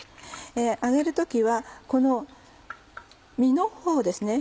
揚げる時はこの身のほうですね